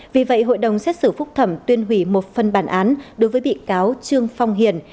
vì vậy hội đồng xét xử phúc thẩm tuyên hủy một phần bản án đối với bị cáo trương phong hiền